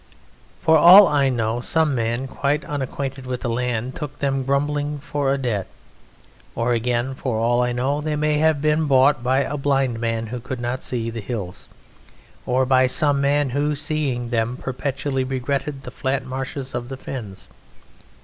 For all I know, some man quite unacquainted with that land took them grumbling for a debt; or again, for all I know, they may have been bought by a blind man who could not see the hills, or by some man who, seeing them, perpetually regretted the flat marshes of the fens.